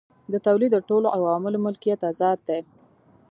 د تولید د ټولو عواملو ملکیت ازاد دی.